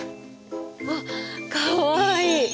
わっかわいい！